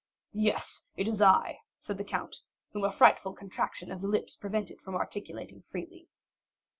"Yes, it is I," said the count, whom a frightful contraction of the lips prevented from articulating freely.